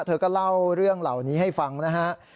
เธอก็เล่าเรื่องเหล่านี้ให้ฟังนะฮะ